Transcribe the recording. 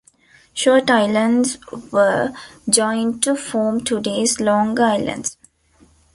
Short islands were joined to form today's longer islands.